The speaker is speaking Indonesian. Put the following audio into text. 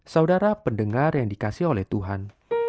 saudara pendengar yang dikasih oleh tuhan